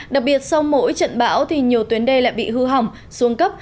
đặc biệt sau mỗi trận bão thì nhiều tuyến đê lại bị hư hỏng xuống cấp